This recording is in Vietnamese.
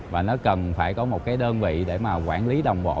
và nó cần phải có một đơn vị để quản lý đồng bộ